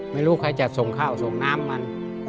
ไม่รู้ใครจะส่งข้าวส่งน้ำมัน